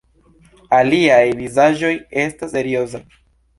Iliaj vizaĝoj estas seriozaj.